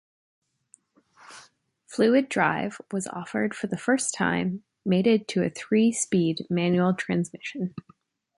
Fluid Drive was offered for the first time, mated to a three-speed manual transmission.